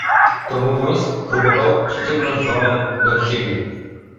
To mówiąc, próbował przyciągnąć żonę do siebie.